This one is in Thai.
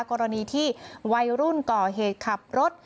กรณีที่วัยรุ่นก่อเหตุขับรถ